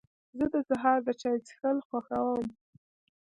زه د سهار د چای څښل خوښوم.